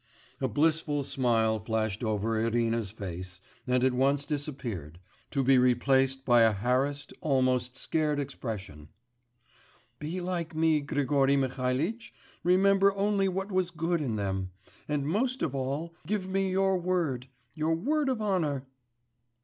A blissful smile flashed over Irina's face, and at once disappeared, to be replaced by a harassed, almost scared expression. 'Be like me, Grigory Mihalitch, remember only what was good in them; and most of all, give me your word.... Your word of honour....